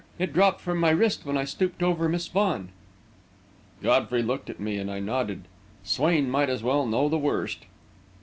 It dropped from my wrist when I stooped over Miss Vaughan." Godfrey looked at me, and I nodded. Swain might as well know the worst.